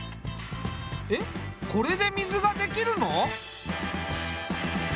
えっこれで水ができるの？